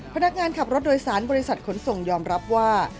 พนักงานขับรถโดยสารบริษัทขนส่งยอมรับว่า